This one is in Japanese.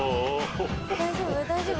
大丈夫？